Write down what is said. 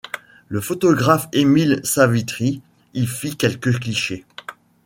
Le photographe Émile Savitry y fit quelques clichés.